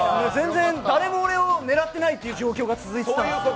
誰も俺を狙ってないっていう状況が続いてた。